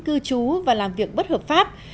cư trú và làm việc bất hợp pháp